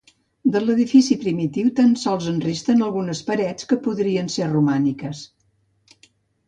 De l'edifici primitiu tan sols en resten algunes parets que podrien ser romàniques.